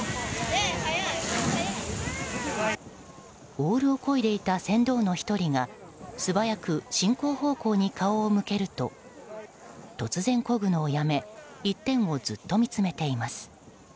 オールをこいでいた船頭の１人が素早く進行方向に顔を向けると突然、こぐのをやめ一点をずっと見つめています。